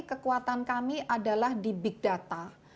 kekuatan kami adalah di big data